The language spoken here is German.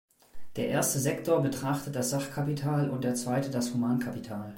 Der erste Sektor betrachtet das Sachkapital und der zweite das Humankapital.